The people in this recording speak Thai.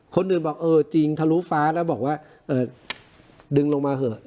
คนอื่นบอกเออจริงทะลุฟ้าแล้วบอกว่าดึงลงมาเถอะ